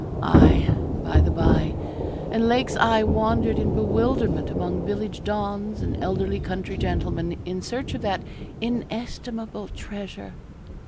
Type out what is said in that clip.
Aye, by the bye, and Lake's eye wandered in bewilderment among village dons and elderly country gentlemen, in search of that inestimable treasure.